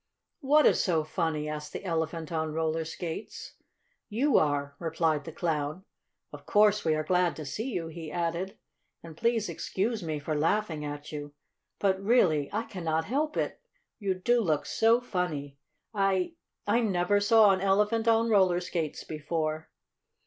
"What is so funny?" asked the Elephant on roller skates. "You are," replied the Clown. "Of course we are glad to see you," he added. "And please excuse me for laughing at you. But, really, I cannot help it! You do look so funny! I I never saw an elephant on roller skates before."